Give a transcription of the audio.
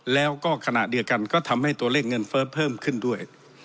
แล้วก็ขณะเดียวกันก็ทำให้ตัวเลขเงินเฟ้อเพิ่มขึ้นด้วย